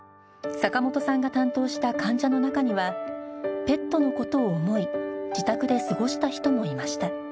坂本さんが担当した患者の中にはペットの事を思い自宅で過ごした人もいました